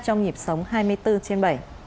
trong nhịp sóng hai mươi bốn trên bảy